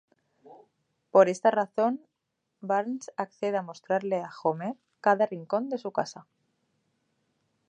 Por esta razón, Burns accede a mostrarle a Homer cada rincón de su casa.